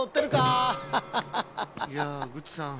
いやグッチさん